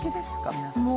皆さん。